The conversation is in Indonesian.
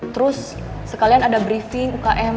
terus sekalian ada briefing ukm